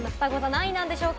何位なんでしょうか？